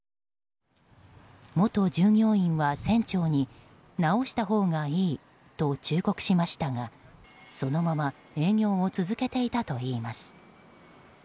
元従業員は船長に直したほうがいいと忠告しましたがそのまま営業を続けていたといいます。